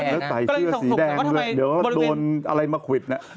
แล้วใส่เสื้อสีแดงไม่ว่าเดี๋ยวโดนอะไรมาขุด